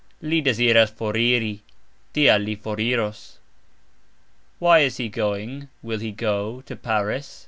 Li deziras foriri, "tial" li foriros. "Why" is he going (will he go) to Paris?